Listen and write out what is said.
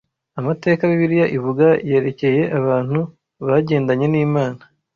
Amateka Bibiliya ivuga yerekeye abantu bagendanye n’Imana